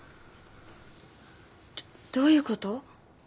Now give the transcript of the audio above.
どういうこと？